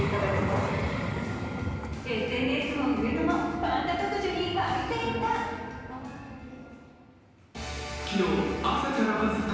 ＳＮＳも上野もパンダ特需にわいていた。